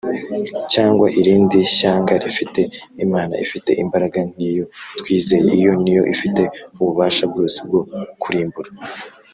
cyangwa irindi shyanga rifite Imana ifite imbaraga nkiyo twizeye iyo niyo ifite ububasha bwose bwo kurimbura.